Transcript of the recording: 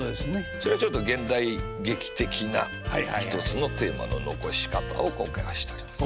それをちょっと現代劇的な一つのテーマの残し方を今回はしております。